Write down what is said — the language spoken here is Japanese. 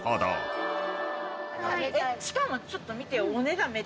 しかもちょっと。